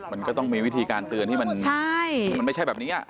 มันก็ต้องมีวิธีการเตือนที่มันไม่ใช่แบบนี้